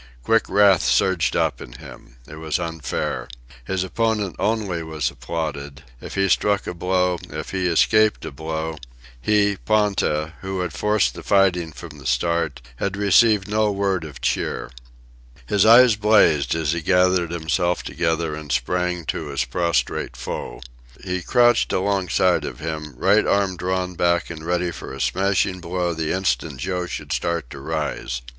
Quick wrath surged up in him. It was unfair. His opponent only was applauded if he struck a blow, if he escaped a blow; he, Ponta, who had forced the fighting from the start, had received no word of cheer. His eyes blazed as he gathered himself together and sprang to his prostrate foe. He crouched alongside of him, right arm drawn back and ready for a smashing blow the instant Joe should start to rise.